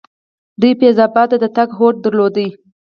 دوی فیض اباد ته د تګ هوډ درلودل.